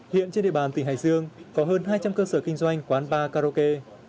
hiện trên địa bàn tỉnh hải dương có hơn hai trăm linh cơ sở kinh doanh quán bar karaoke